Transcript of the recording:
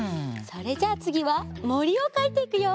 それじゃあつぎはもりをかいていくよ。